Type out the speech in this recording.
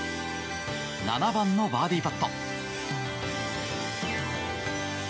７番のバーディーパット。